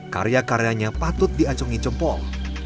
karya karyanya patut diancungi jempol